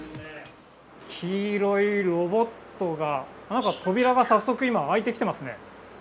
黄色いロボットが、扉が早速、今、開いてきてますね。